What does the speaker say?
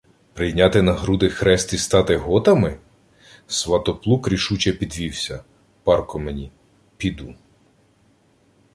— Прийняти на груди хрест і стати готами? — Сватоплук рішуче підвівся. — Парко мені. Піду.